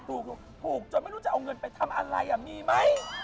ถูกจนไม่รู้จะเอาเงินไปทำอะไรมีไหม